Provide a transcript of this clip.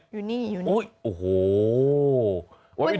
อยู่นี่